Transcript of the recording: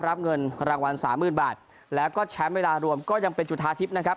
รับเงินรางวัลสามหมื่นบาทแล้วก็แชมป์เวลารวมก็ยังเป็นจุธาทิพย์นะครับ